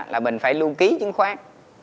là mình phải luôn ký chứng khoán